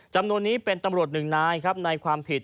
จำนวนนี้เป็นตำรวจหนึ่งนายครับในความผิด